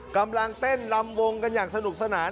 กำลังเต้นลำวงกันอย่างสนุกสนาน